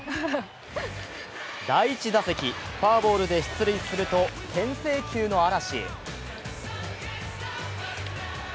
第１打席、フォアボールで出塁すると牽制球の嵐。